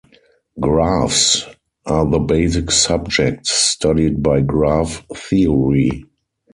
Graphs are the basic subject studied by graph theory.